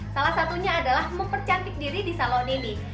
salah satunya adalah mempercantik diri di salon ini